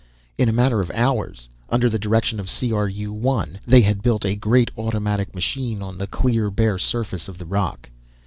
In a matter of hours, under the direction of C R U 1, they had built a great automatic machine on the clear bare surface of the rock.